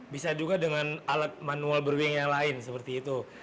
bisa juga dengan alat manual brewing yang lain seperti itu